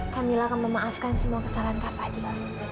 kamila memaafkan semua kesalahan kafadil